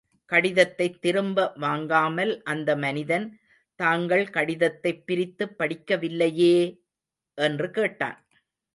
கடிதத்தைத் திரும்ப வாங்காமல், அந்த மனிதன், தாங்கள் கடிதத்தைப் பிரித்துப் படிக்கவில்லையே! என்று கேட்டான்.